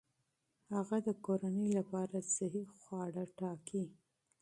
هغه د کورنۍ لپاره صحي خواړه ټاکي.